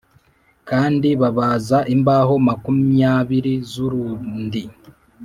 Kandi bab za imbaho makumyabiri z urundi